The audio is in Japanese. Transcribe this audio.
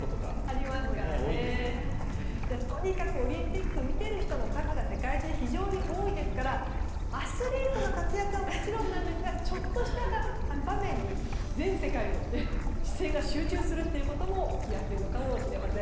オリンピック見ている人の数が世界中、非常に多いですからアスリートの活躍はもちろんなんですがちょっとした場面に全世界の視線が集中するということも起きやすいのかもしれません。